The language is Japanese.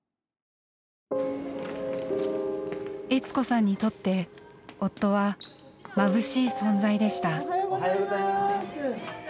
悦子さんにとって夫はまぶしい存在でした。